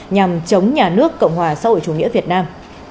nhằm chống nhà nước cộng hòa xã hội chủ nghĩa việt nam